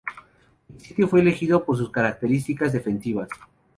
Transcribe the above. El sitio fue elegido por sus características defensivas.